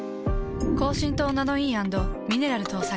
高浸透ナノイー＆ミネラル搭載。